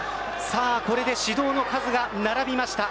これで指導の数が並びました。